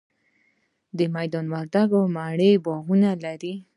میدان وردګ د مڼو باغونه لري